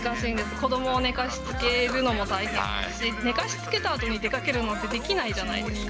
子どもを寝かしつけるのも大変ですし、寝かしつけたあとに出かけるのってできないじゃないですか。